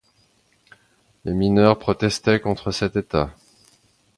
Les mineurs protestaient contre cet état.